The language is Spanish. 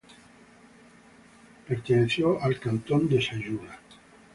Perteneció al cantón de Sayula.